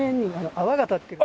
泡が立ってる。